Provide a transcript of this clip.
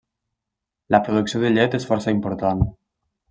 La producció de llet és força important.